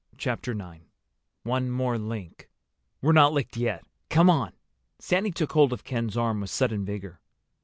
CHAPTER IX ONE MORE LINK "We're not licked yet. Come on." Sandy took hold of Ken's arm with sudden vigor.